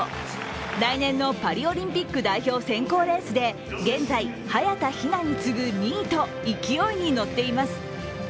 来年のパリオリンピック代表選考レースで現在、早田ひなに次ぐ２位と勢いに乗っています。